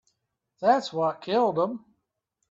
That's what killed him.